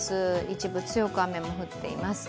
一部、強く雨も降っています。